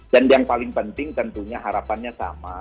dan yang paling penting tentunya harapannya sama